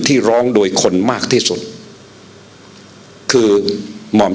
เพราะยังไม่ได้ไปเห็น